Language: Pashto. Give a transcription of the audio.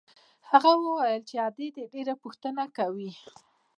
هغه وويل چې ادې دې ډېره پوښتنه کوي.